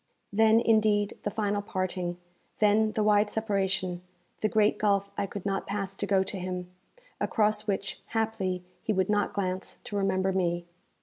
Then, indeed, the final parting, then the wide separation, the great gulf I could not pass to go to him, across which, haply, he would not glance to remember me.